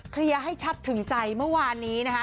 เคลียร์ให้ชัดถึงใจเมื่อวานนี้นะคะ